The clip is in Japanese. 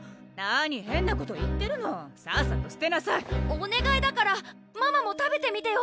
お願いだからママも食べてみてよ！